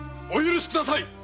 お待ちください